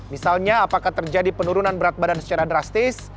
misalnya apakah terjadi penurunan berat badan secara drastis